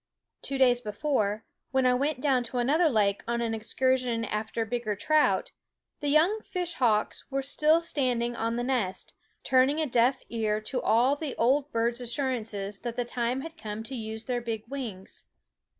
Two days before, when I went down to another lake on an excursion after bigger trout, the young fishhawks were still standing on the nest, turning a deaf ear to all the old birds' assurances that the time had come to use their big wings.